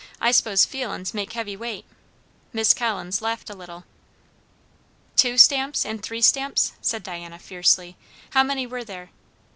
I s'pose feelin's makes heavy weight." Miss Collins laughed a little. "Two stamps and three stamps?" said Diana fiercely; "how many were there?"